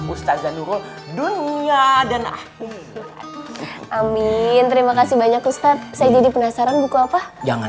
ustadz zanurul dunia dan amin terima kasih banyak ustadz saya jadi penasaran buku apa jangan